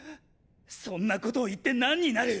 そんなことを言って何になる⁉